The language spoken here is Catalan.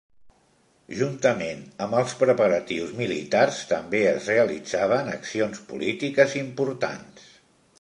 Juntament amb els preparatius militars també es realitzaven accions polítiques importants.